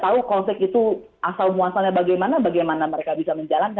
nah kalau mereka tidak tahu konflik itu asal muasalnya bagaimana mereka harus mengatasi